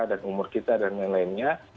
dan umur kita dan lain lainnya